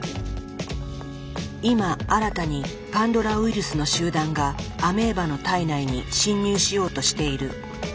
今新たにパンドラウイルスの集団がアメーバの体内に侵入しようとしている。